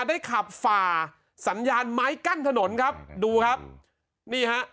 ได้ขับฝ่าสัญญาณไม้กั้นถนนครับดูครับนี่ฮะ